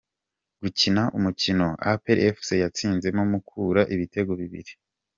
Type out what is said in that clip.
gukina umukino apr fc yatsinzemo Mukura ibitego bibiri